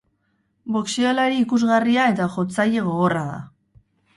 Boxeolari ikusgarria eta jotzaile gogorra da.